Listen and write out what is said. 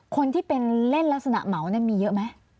คนที่เป็นเล่นลักษณะเหมามีเยอะไหม